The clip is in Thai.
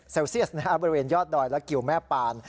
เซียสบริเวณยอดดอยและกิวแม่ปาน